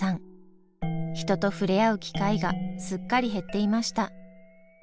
人と触れ合う機会がすっかり減っていました。